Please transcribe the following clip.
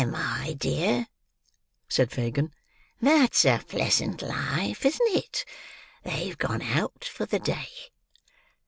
"There, my dear," said Fagin. "That's a pleasant life, isn't it? They have gone out for the day."